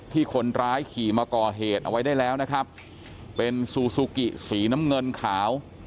ที่คนร้ายขี่มาก่อเหตุเอาไว้ได้แล้วนะครับเป็นซูซูกิสีน้ำเงินขาว